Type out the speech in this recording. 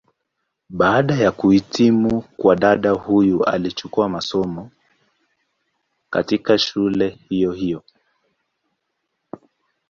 Baada ya kuhitimu kwa dada huyu alichukua masomo, katika shule hiyo hiyo.